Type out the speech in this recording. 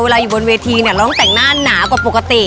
เวลาอยู่บนเวทีเนี่ยเราต้องแต่งหน้ากว่าปกติ